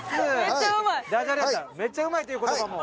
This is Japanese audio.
「めっちゃ上手い」という言葉も。